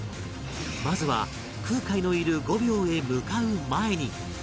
まずは空海のいる御廟へ向かう前に